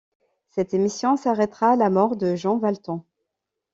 Cette émission s'arrêtera à la mort de Jean Valton.